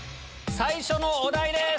最初のお題です！